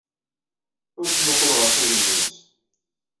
Ur ttmuqqul ɣer tugna-nnes!